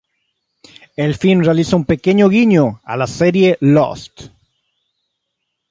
El film realiza un pequeño guiño a la serie "Lost".